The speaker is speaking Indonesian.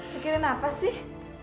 pikirin apa sih